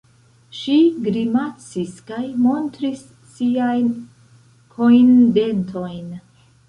Ŝi grimacis kaj montris siajn kojndentojn.